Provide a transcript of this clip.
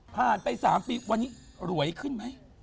ผ่านไป๓ปีวันนี้รวยขึ้นไหม